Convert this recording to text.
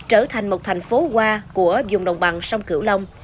trở thành một thành phố hoa của dùng đồng bằng sông cửu long